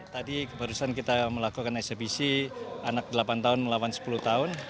tadi barusan kita melakukan eksebisi anak delapan tahun melawan sepuluh tahun